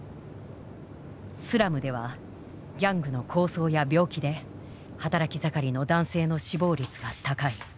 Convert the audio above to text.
スラムではギャングの抗争や病気で働き盛りの男性の死亡率が高い。